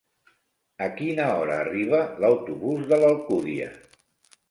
A quina hora arriba l'autobús de l'Alcúdia?